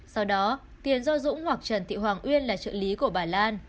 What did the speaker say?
sau đó tiền do dũng hoặc trần thị hoàng uyên là trợ lý của bà lan